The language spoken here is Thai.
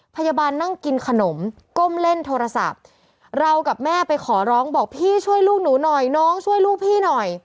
พยาบาลนั่งกินขนมก้มเล่นโทรศัพท์เรากับแม่ไปขอร้องบอกพี่ช่วยลูกหนูหน่อยน้องช่วยลูกพี่หน่อย